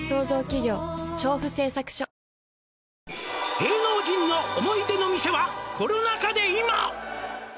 「芸能人の思い出の店はコロナ渦で今！？」